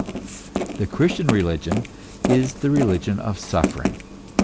The Christian religion is the religion of suffering.